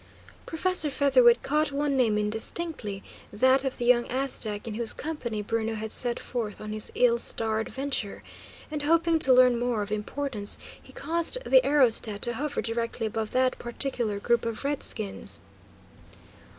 Professor Featherwit caught one name indistinctly; that of the young Aztec in whose company Bruno had set forth on his ill starred venture; and hoping to learn more of importance, he caused the aerostat to hover directly above that particular group of redskins.